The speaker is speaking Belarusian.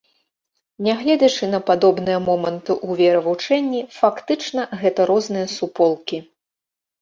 Нягледзячы на падобныя моманты ў веравучэнні, фактычна гэта розныя суполкі.